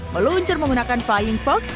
meluncur menggunakan flying fox